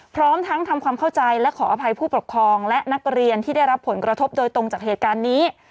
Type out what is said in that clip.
พร้อมทั้งทำความเข้าใจและขออภัยผู้ปกครองและนักเรียนที่ได้รับผลกระทบโดยตรงจากเหตุการณ์นี้